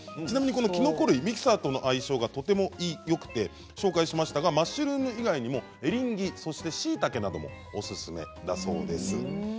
ちなみに、きのこ類ミキサーとの相性がとてもよくて紹介しましたマッシュルーム以外にもエリンギそして、しいたけなどもおすすめだそうです。